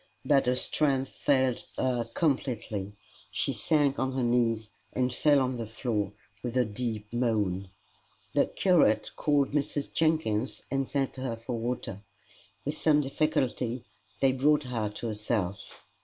But her strength failed her completely; she sank on her knees and fell on the floor with a deep moan. The curate called Mrs. Jenkins and sent her for water. With some difficulty they brought her to herself.